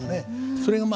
それがまあ